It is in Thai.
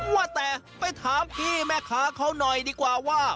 ว่าแต่ไปถามพี่แม่ค้าเขาหน่อยดีกว่าว่า